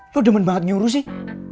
tuh demen banget nyuruh sih